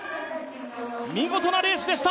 見事なレースでした。